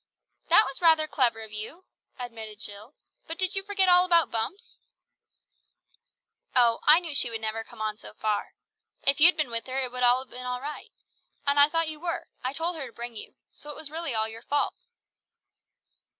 "That was rather clever of you," admitted Jill, "but did you forget all about Bumps?" "Oh, I knew she would never come on so far. If you'd been with her it would have been all right. And I thought you were. I told her to bring you; so it was really all your fault."